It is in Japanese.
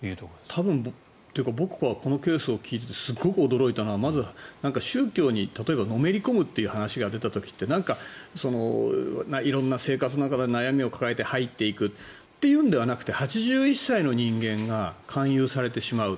多分というか僕はこのケースを聞いててすごく驚いたのはまず宗教に例えばのめりこむという話が出た時ってなんか、色んな生活の中で悩みを抱えて入っていくというのではなくて８１歳の人間が勧誘されてしまう。